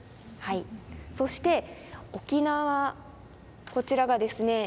そして沖縄こちらがですね